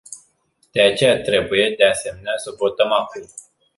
De aceea trebuie, de asemenea, să votăm acum.